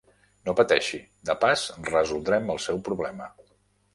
No pateixi, de pas resoldrem el seu problema.